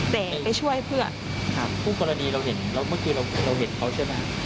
แต่ไปช่วยเพื่อนครับคู่กรณีเราเห็นแล้วเมื่อคืนเราเห็นเขาใช่ไหมครับ